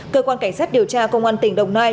cơ quan cảnh sát điều tra công an tỉnh đồng nai